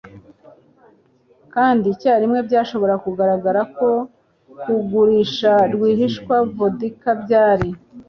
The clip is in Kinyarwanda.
kandi icyarimwe byashoboraga kugaragara ko kugurisha rwihishwa vodka byari